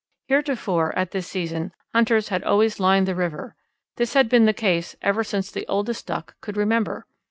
Heretofore, at this season, hunters had always lined the river. This had been the case ever since the oldest Duck could remember.